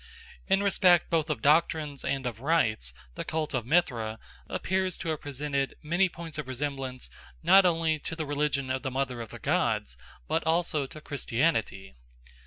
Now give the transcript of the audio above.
In respect both of doctrines and of rites the cult of Mithra appears to have presented many points of resemblance not only to the religion of the Mother of the Gods but also to Christianity.